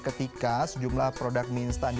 ketika sejumlah produk mi instant